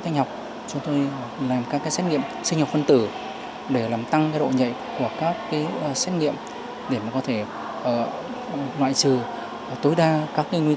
thành phố trên địa bàn bắc miền trung